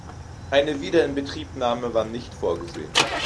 Eine Wiederinbetriebnahme war nicht vorgesehen.